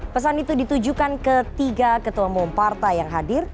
pesan itu ditujukan ke tiga ketua mempartai yang hadir